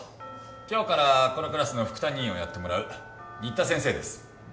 今日からこのクラスの副担任をやってもらう新田先生です。